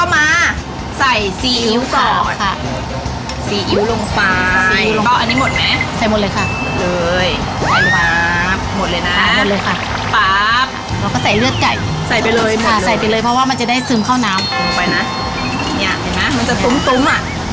มันจะตุ้ม